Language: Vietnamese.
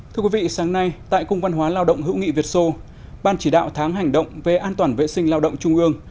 thưa quý vị sáng nay tại cung văn hóa lao động hữu nghị việt sô ban chỉ đạo tháng hành động về an toàn vệ sinh lao động trung ương